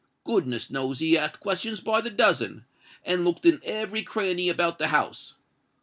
Goodness knows he asked questions by the dozen, and looked in every cranny about the house.